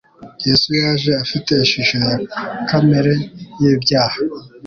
Yesu yaje «afite ishusho yakamere y'ibyaha.»